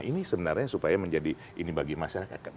ini sebenarnya supaya menjadi ini bagi masyarakat kan